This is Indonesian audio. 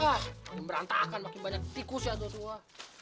ah makin berantakan makin banyak tikus ya tua tua